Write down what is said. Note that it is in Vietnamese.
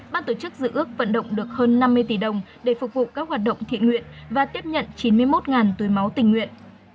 ban tổ chức dự ước vận động được hơn năm mươi tỷ đồng để phục vụ các hoạt động thiện nguyện và tiếp nhận chín mươi một túi máu tình nguyện